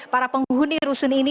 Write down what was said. para penghuni rusun ini